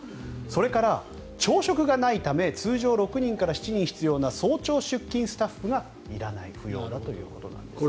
それから朝食がないため通常６７人必要な早朝出勤スタッフがいらないということです。